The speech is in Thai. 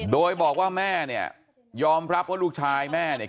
โดยบอกว่าแม่เนี่ยยอมรับว่าลูกชายแม่เนี่ย